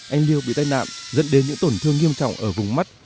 anh liêu bị tai nạn dẫn đến những tổn thương nghiêm trọng ở vùng mắt